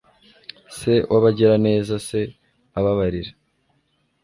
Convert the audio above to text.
Se wabagiraneza Se ababarira